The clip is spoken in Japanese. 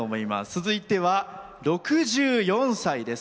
続いては６４歳です。